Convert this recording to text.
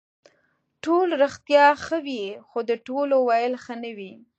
ټول رښتیا ښه وي خو د ټولو ویل ښه نه وي.